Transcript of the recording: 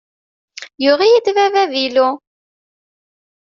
Yuɣ-iyi-d baba avilu.